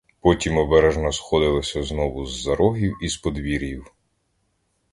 Потім обережно сходилися знову з-за рогів і з подвір'їв.